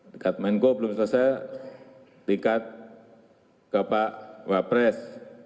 tingkat menko belum selesai tingkat bapak wapres